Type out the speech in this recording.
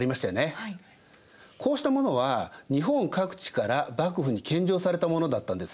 こうしたものは日本各地から幕府に献上されたものだったんです。